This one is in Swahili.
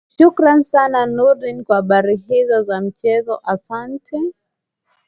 shukran sana nurdin kwa habari hizo za michezo asante